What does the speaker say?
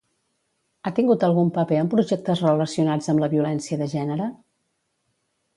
Ha tingut algun paper en projectes relacionats amb la violència de gènere?